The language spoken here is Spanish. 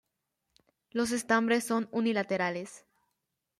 Los estambres son unilaterales.